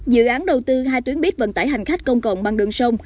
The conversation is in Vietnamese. dự án đầu tư hai tuyến buýt vận tải hành khách công cộng bằng đường sông